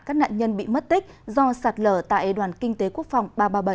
các nạn nhân bị mất tích do sạt lở tại đoàn kinh tế quốc phòng ba trăm ba mươi bảy